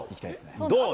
どう？